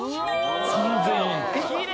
３０００円